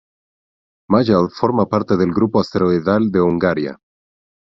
Mayall forma parte del grupo asteroidal de Hungaria.